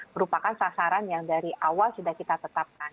merupakan sasaran yang dari awal sudah kita tetapkan